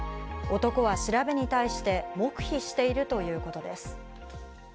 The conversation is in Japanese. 男は調べに対して黙秘しているということです。